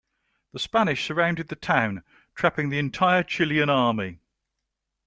The Spanish surrounded the town, trapping the entire Chilean army.